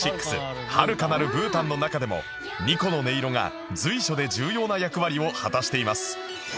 『遥かなるブータン』の中でも二胡の音色が随所で重要な役割を果たしています